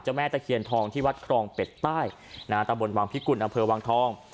แม่ตะเคียนทองที่วัดครองเป็ดใต้นะฮะตะบนวังพิกุลอำเภอวังทอง